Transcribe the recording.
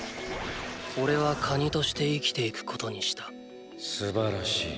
おれはカニとして生きていくことにしたすばらしい。